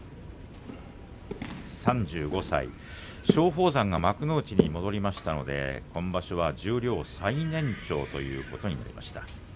３５歳松鳳山が幕内に戻りましたので今場所は十両最年長ということになりました。